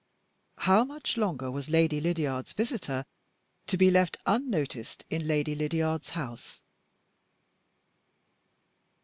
How much longer was Lady Lydiard's visitor to be left unnoticed in Lady Lydiard's house?